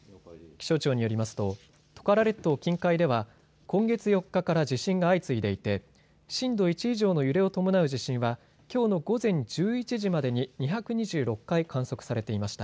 気象庁によりますとトカラ列島近海では今月４日から地震が相次いでいて震度１以上の揺れを伴う地震はきょうの午前１１時までに２２６回観測されていました。